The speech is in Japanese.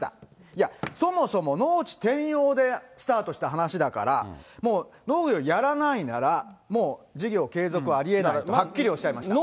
いや、そもそも農地転用でスタートした話だから、もう、農業やらないなら、もう事業継続はありえないと、はっきりおっしゃいました。